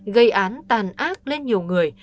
gây án tàn ác lên nhiều người